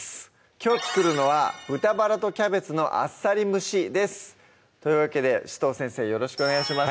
きょう作るのは「豚バラとキャベツのあっさり蒸し」ですというわけで紫藤先生よろしくお願いします